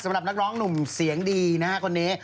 สำหรับนักร้องหนุ่มเสียงดีนะฮะคนนี้